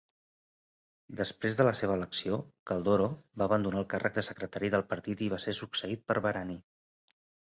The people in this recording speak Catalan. Després de la seva elecció, Caldoro va abandonar el càrrec de secretari del partit i va ser succeït per Barani.